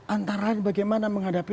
antara bagaimana menghadapi